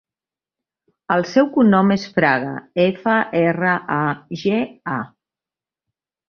El seu cognom és Fraga: efa, erra, a, ge, a.